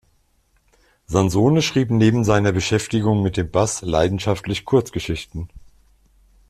Sansone schrieb neben seiner Beschäftigung mit dem Bass leidenschaftlich Kurzgeschichten.